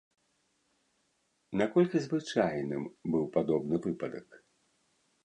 Наколькі звычайным быў падобны выпадак?